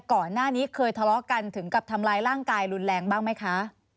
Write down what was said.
ก่อนหน้านี้เคยทะเลาะกันถึงกับทำร้ายร่างกายรุนแรงบ้างไหมคะ